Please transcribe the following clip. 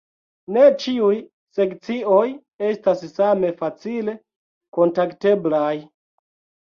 Ne ĉiuj sekcioj estas same facile kontakteblaj.